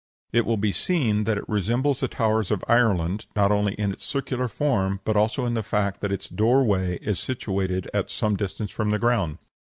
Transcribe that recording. It will be seen that it resembles the towers of Ireland, not only in its circular form but also in the fact that its door way is situated at some distance from the ground.